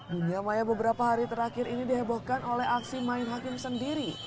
dunia maya beberapa hari terakhir ini dihebohkan oleh aksi main hakim sendiri